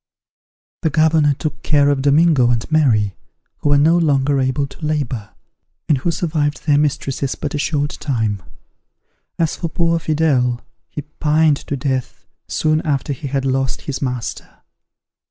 The governor took care of Domingo and Mary, who were no longer able to labour, and who survived their mistresses but a short time. As for poor Fidele, he pined to death, soon after he had lost his master.